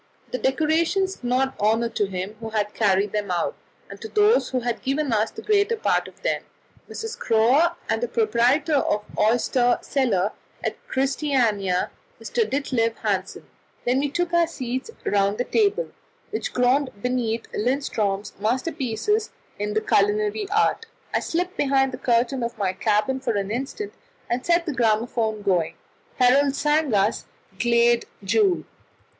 The decorations did honour to him who had carried them out and to those who had given us the greater part of them Mrs. Schroer, and the proprietor of the Oyster Cellar at Christiania, Mr. Ditlev Hansen. Then we took our seats round the table, which groaned beneath Lindström's masterpieces in the culinary art. I slipped behind the curtain of my cabin for an instant, and set the gramophone going. Herold sang us "Glade Jul."